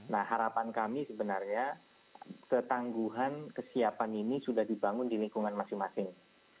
nah harapan kami sebenarnya ketangguhan kesiapan ini sudah dibangun di lingkungan masing masing